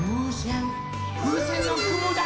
ふうせんのくもだ。